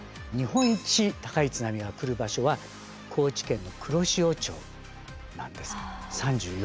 日本一高い津波が来る場所は高知県の黒潮町なんです。